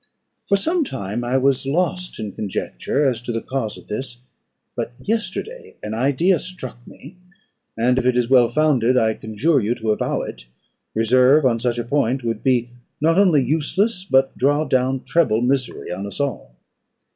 For some time I was lost in conjecture as to the cause of this; but yesterday an idea struck me, and if it is well founded, I conjure you to avow it. Reserve on such a point would be not only useless, but draw down treble misery on us all."